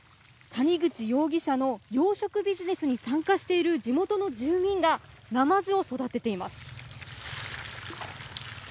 谷口容疑者の養殖ビジネスに参加している地元の住民が、ナマズを育てています。